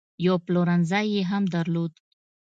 یو پلورنځی یې هم درلود.